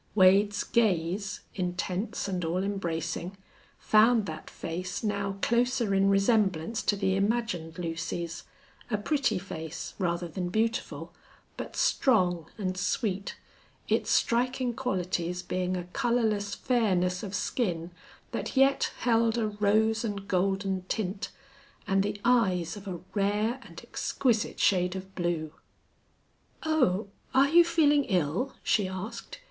Wade's gaze, intense and all embracing, found that face now closer in resemblance to the imagined Lucy's a pretty face, rather than beautiful, but strong and sweet its striking qualities being a colorless fairness of skin that yet held a rose and golden tint, and the eyes of a rare and exquisite shade of blue. "Oh! Are you feeling ill?" she asked.